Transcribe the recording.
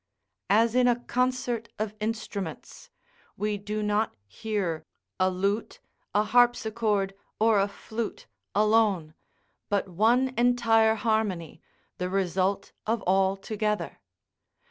As in a concert of instruments, we do not hear a lute, a harpsichord, or a flute alone, but one entire harmony, the result of all together.